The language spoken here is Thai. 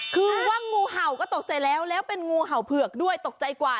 คือว่างูเห่าก็ตกใจแล้วแล้วเป็นงูเห่าเผือกด้วยตกใจกว่า